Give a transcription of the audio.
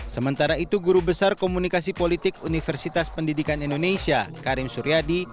sementara itu guru besar komunikasi politik universitas pendidikan indonesia karim suryadi